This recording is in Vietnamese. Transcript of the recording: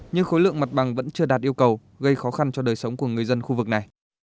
nhưng khối lượng mặt bằng vẫn chưa đạt yêu cầu gây khó khăn cho đời sống của người dân khu vực này